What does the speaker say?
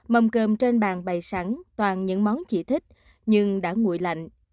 mầm cơm trên bàn bày sẵn toàn những món chị thích nhưng đã nguội lạnh